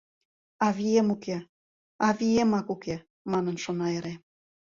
«Авием уке, авиемак уке», — манын шона эре.